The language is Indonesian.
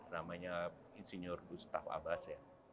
namanya insinyur gustaf abbas ya